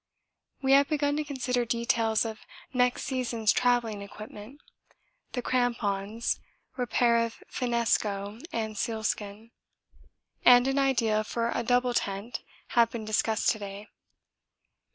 We have begun to consider details of next season's travelling equipment. The crampons, repair of finnesko with sealskin, and an idea for a double tent have been discussed to day.